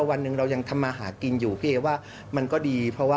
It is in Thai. ยังยังอยู่กับพี่เหรอ